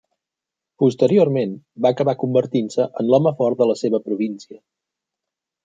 Posteriorment, va acabar convertint-se en l'home fort de la seva província.